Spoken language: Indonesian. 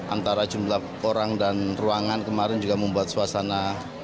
antara jumlah orang dan ruangan kemarin juga membuat suasana